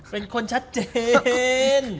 เป็นคนชัดเจน